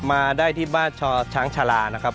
มาได้ที่บ้านช่อช้างชาลานะครับ